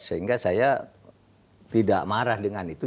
sehingga saya tidak marah dengan itu